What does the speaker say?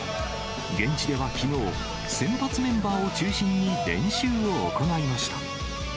現地ではきのう、先発メンバーを中心に練習を行いました。